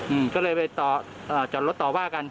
อืมก็เลยไปจอดรถต่อว่ากัน